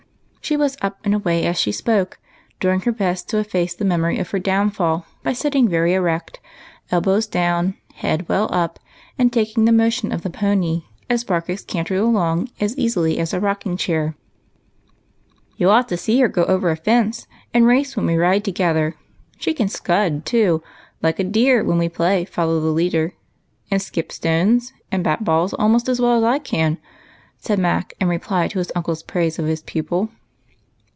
She was up and away as she spoke, doing her best to efface the memory of her downfall by sitting very erect, elbows down, head well up, and taking the mo tion of the pony as Barkis cantered along as easily as a rocking chair. "You ought to see her go over a fence and race when we ride together. She can scud, too, like a deer when we play ' Follow the leader,' and skip stones and bat balls almost as well as I can," said Mac, in reply to his uncle's praise of his pupil.